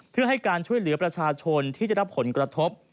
เพื่อให้การช่วยเหลือประชาชนที่ได้รับผลกระทบ